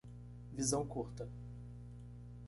Visão curta